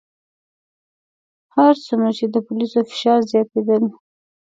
هر څومره چې د پولیسو فشار زیاتېدی.